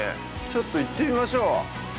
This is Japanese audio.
ちょっと行ってみましょう。